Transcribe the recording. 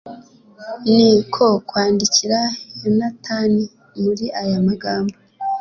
ni ko kwandikira yonatani muri aya magambo